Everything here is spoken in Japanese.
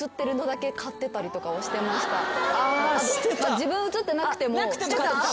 自分写ってなくても。